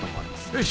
よし。